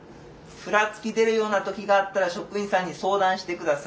ふらつき出るような時があったら職員さんに相談して下さい。